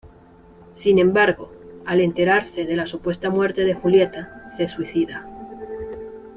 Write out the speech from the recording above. Sin embargo, al enterarse de la supuesta muerte de Julieta, se suicida.